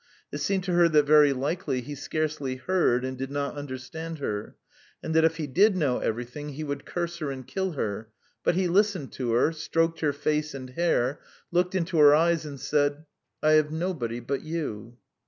... It seemed to her that very likely he scarcely heard and did not understand her, and that if he did know everything he would curse her and kill her, but he listened to her, stroked her face and hair, looked into her eyes and said: "I have nobody but you.